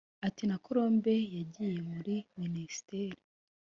Ati “Na Colombe yagiye muri Minisiteri